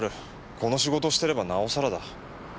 この仕事をしてればなおさらだ。